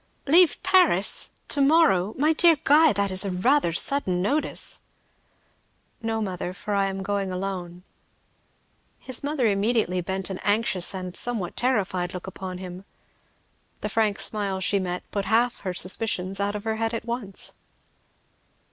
"Leave Paris! To morrow! My dear Guy, that is rather a sudden notice." "No mother for I am going alone." His mother immediately bent an anxious and somewhat terrified look upon him. The frank smile she met put half her suspicions out of her head at once.